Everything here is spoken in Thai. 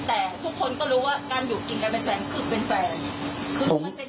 แต่ทุกคนก็รู้ว่าการอยู่กินกันเป็นแฟนคือเป็นแฟน